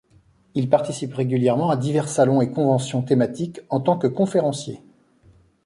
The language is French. Il participe régulièrement à divers salons et conventions thématiques en tant que conférencier.